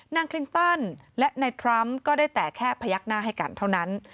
คลินตันและนายทรัมป์ก็ได้แต่แค่พยักหน้าให้กันเท่านั้น